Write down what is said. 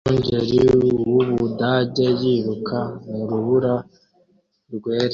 Umwungeri w’Ubudage yiruka mu rubura rwera